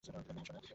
হ্যাঁ, সোনা।